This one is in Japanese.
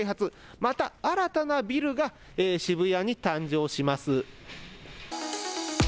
また新たなビルが渋谷に誕生します。